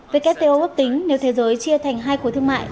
wto ước tính nếu thế giới chia thành hai khối thương mại